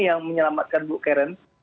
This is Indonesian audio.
yang menyelamatkan buk karen